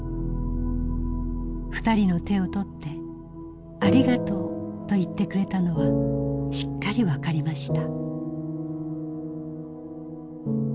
２人の手を取って『ありがとう』と言ってくれたのはしっかりわかりました」。